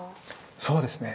そうですね。